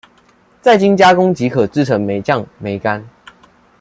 再經加工即可製成梅醬、梅乾